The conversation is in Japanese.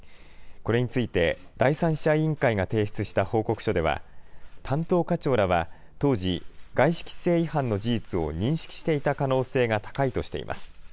これについて、第三者委員会が提出した報告書では、担当課長らは当時、外資規制違反の事実を認識していた可能性が高いとしています。